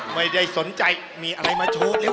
ไม่ได้สนใจมีอะไรมาโชว์หรือ